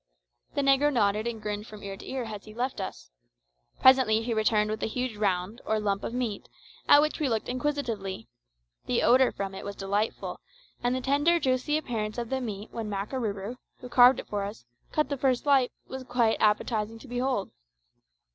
The negro nodded and grinned from ear to ear as he left us. Presently he returned with a huge round, or lump of meat, at which we looked inquisitively. The odour from it was delightful, and the tender, juicy appearance of the meat when Makarooroo, who carved it for us, cut the first slice, was quite appetising to behold.